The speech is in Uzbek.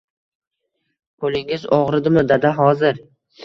Qo‘lingiz og‘ridimi, dada, hozir